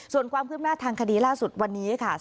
ส่วนความคืบหน้าทางคดีล่าสุดวันนี้ค่ะ